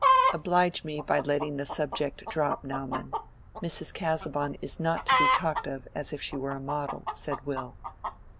"Oblige me by letting the subject drop, Naumann. Mrs. Casaubon is not to be talked of as if she were a model," said Will.